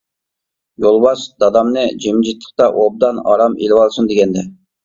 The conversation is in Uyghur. يولۋاس دادامنى جىمجىتلىقتا ئوبدان ئارام ئېلىۋالسۇن دېگەنىدى.